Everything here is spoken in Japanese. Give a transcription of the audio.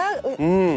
うん。